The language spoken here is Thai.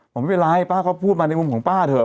ผมไม่เป็นไรป้าเขาพูดมาในมุมของป้าเถอ